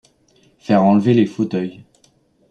Faire enlever les fauteuils!